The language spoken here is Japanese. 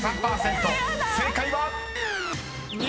［正解は⁉］